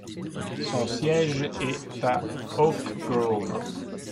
Son siège est à Oak Grove.